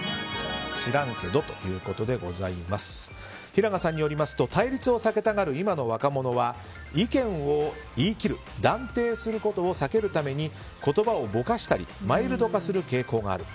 平賀さんによりますと対立を避けたがる今の若者は意見を言い切る断定することを避けるために言葉をぼかしたりマイルド化する傾向がある。